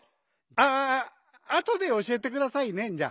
ああとでおしえてくださいねんじゃ。